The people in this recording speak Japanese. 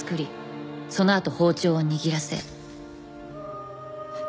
そのあと包丁を握らせ。